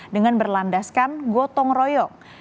dengan berlandaskan gotong royong